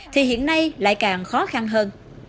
thì hiện nay lại càng khó khăn hơn